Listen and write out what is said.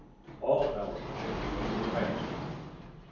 All, however, was vain.